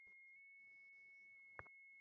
অর্থাৎ, নির্জন— যোগেন্দ্র।